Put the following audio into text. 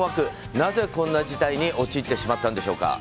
なぜこんな事態に陥ってしまったんでしょうか。